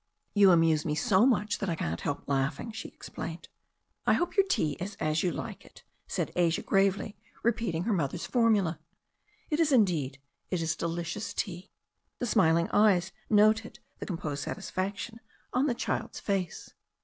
"You amuse me so much that I can't help laughing," she explained. "I hope your tea is as you like it," said Asia gravely, repeating her mother's formula. "It is indeed. It is delicious tea.*' The smiling old eyes noted the composed satisfaction on the child's face.